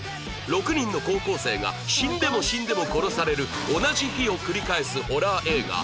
６人の高校生が死んでも死んでも殺される同じ日を繰り返すホラー映画